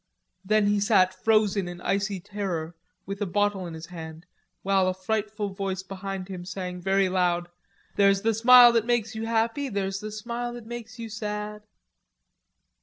Then he sat frozen in icy terror with a bottle in his hand, while a frightful voice behind him sang very loud: "There's the smile that makes you happy, There's the smile that makes you sad."